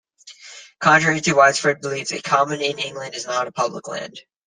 Contrary to widespread belief, a 'common' in England is not 'public land'.